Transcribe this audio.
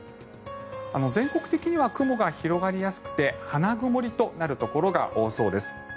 全国的には雲が広がりやすくて花曇りとなるところが多そうです。